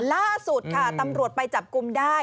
ล่าสุดค่ะตำรวจไปจับกลุ่มได้